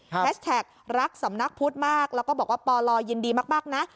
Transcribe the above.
แฮชแท็กรักสำนักพุทธมากแล้วก็บอกว่าปลยินดีมากนะ